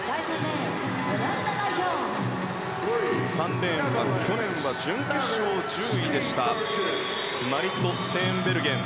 ３レーンは去年は準決勝１０位でしたマリット・ステーンベルゲン。